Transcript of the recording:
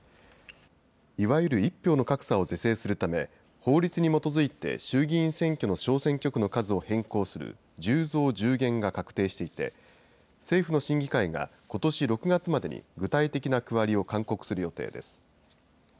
いわゆる１票の格差を是正するため、法律に基づいて衆議院選挙の小選挙区の数を変更する１０増１０減が確定していて、政府の審議会がことし６月までに具体的な区割りを勧告する予定です。